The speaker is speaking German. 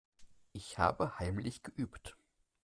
Ich habe heimlich geübt.